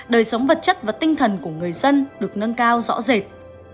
đời sống vật chất và tinh thần của người dân được nâng cao rõ rệt